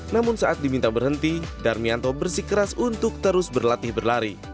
namun saat diminta berhenti darmianto bersikeras untuk terus berlatih berlari